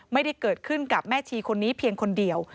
ไม่ได้เกิดขึ้นกับแม่ชีคนนี้เพียงคนเดียว